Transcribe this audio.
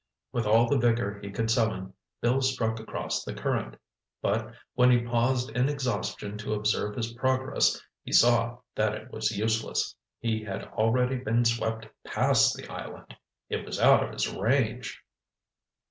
With all the vigor he could summon, Bill struck across the current. But when he paused in exhaustion to observe his progress, he saw that it was useless. He had already been swept past the island. It was out of his range.